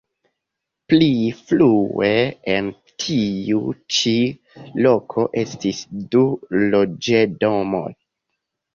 Pli frue en tiu ĉi loko estis du loĝdomoj.